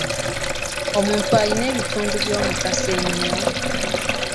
Omuntu alina ebitundu eby'omugaso ennyo.